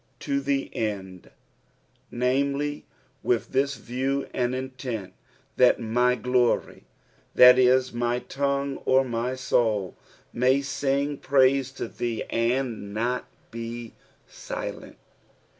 To the end "^Dnme]y, with this view and intent — "that my glory" — that is, my tongue or my soul —" may ting praiie to thee, and not be lilerU."